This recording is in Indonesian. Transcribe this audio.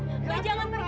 mbak jangan pergi